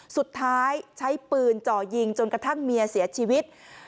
สุดท้ายใช้ปืนจ่อยิงจนกระทั่งเมียเสียชีวิต